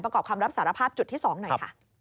ประกอบคำรับสารภาพจุดที่๒หน่อยค่ะ